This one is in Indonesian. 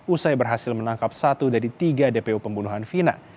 usai berhasil menangkap satu dari tiga dpo pembunuhan vina